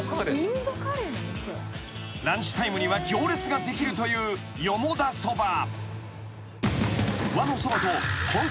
［ランチタイムには行列ができるというよもだそば］